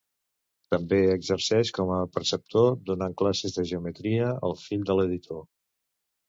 També exerceix com a preceptor, donant classes de geometria al fill de l'editor.